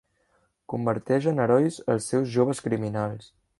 Converteix en herois els seus joves criminals.